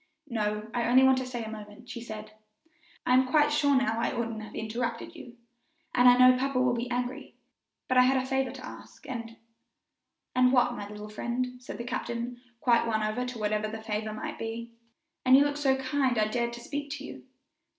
"No, I only want to stay for a moment," she said; "I am quite sure now I oughtn't to have interrupted you, and I know papa will be angry; but I had a favor to ask, and " "And what, my little friend?" said the captain, quite won over to whatever the favor might be. "And you looked so kind I dared to speak to you."